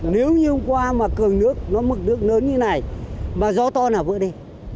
nếu như hôm qua mà cường nước nó mực nước lớn như này mà gió to nào vỡ đi